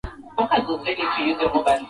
Mchovya asali hachovi mara moja